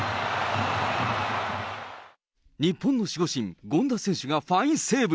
日本の守護神、権田選手がファインセーブ。